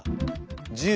１０